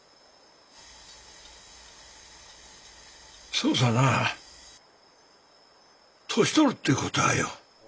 そうさな年取るって事はよ